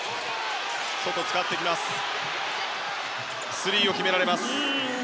スリーを決められました。